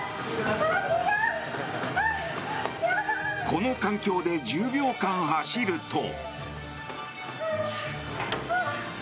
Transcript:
この環境で１０秒間走ると。